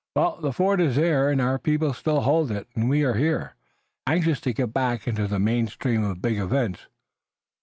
Well, the fort is there and our people still hold it, and we are here, anxious to get back into the main stream of big events.